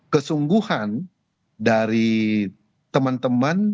kesungguhan dari teman teman